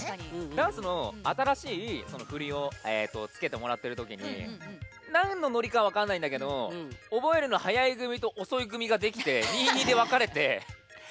ダンスの新しい振りを付けてもらってるときになんのノリか分かんないんだけど覚えるの早い組と遅い組ができて２、２で分かれて。